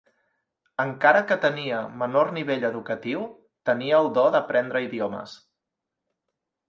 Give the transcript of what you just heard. Encara que tenia menor nivell educatiu, tenia el do d'aprendre idiomes.